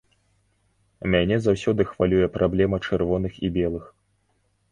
Мяне заўсёды хвалюе праблема чырвоных і белых.